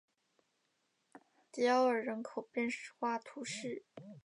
迪奥尔人口变化图示